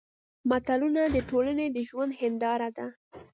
متلونه د ټولنې د ژوند هېنداره ده